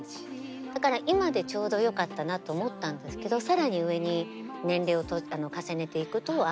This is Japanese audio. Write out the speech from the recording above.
だから今でちょうどよかったなと思ったんですけど更に上に年齢を重ねていくとあ